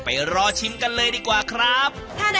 รอชิมกันเลยดีกว่าครับ